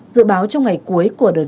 dự báo trong ngày cuối của đợt